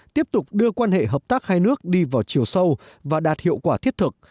tiếp tục đưa quan hệ hợp tác hai nước đi vào chiều sâu và đạt hiệu quả thiết thực